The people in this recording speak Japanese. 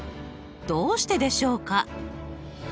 どうしてでしょうか？